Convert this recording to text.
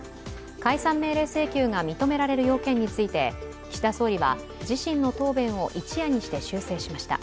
解散命令請求が認められる要件について岸田総理は自身の答弁を一夜にして修正しました。